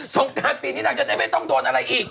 งการปีนี้นางจะได้ไม่ต้องโดนอะไรอีก